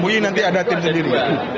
mui nanti ada tim sendiri